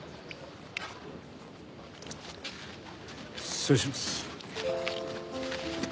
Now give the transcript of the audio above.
失礼します。